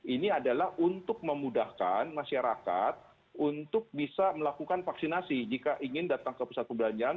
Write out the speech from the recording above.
ini adalah untuk memudahkan masyarakat untuk bisa melakukan vaksinasi jika ingin datang ke pusat perbelanjaan